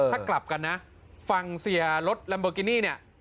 ถ้ากลับกันนะฟังเสียรถลัมโบกินี่เนี่ย